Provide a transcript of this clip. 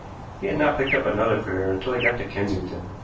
He had not picked up another fare until he got to Kensington.